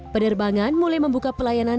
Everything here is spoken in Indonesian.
penerbangan mulai membuka pelayanan